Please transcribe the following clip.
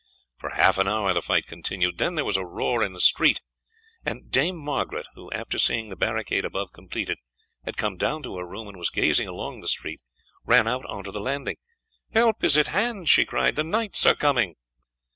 For half an hour the fight continued, then there was a roar in the street, and Dame Margaret, who, after seeing the barricade above completed, had come down to her room and was gazing along the street, ran out on to the landing. "Help is at hand!" she cried, "the knights are coming!"